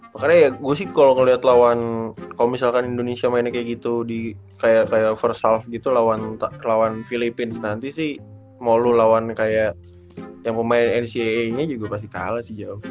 makanya ya gue sih kalo ngeliat lawan kalo misalkan indonesia mainnya kayak gitu di kayak kayak first half gitu lawan lawan philippines nanti sih mau lu lawan kayak yang pemain ncaa nya juga pasti kalah sih jawa